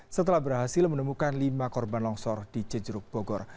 setelah berhasil menemukan lima korban longsor di cijeruk bogor